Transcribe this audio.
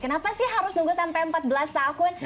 kenapa sih harus nunggu sampai empat belas tahun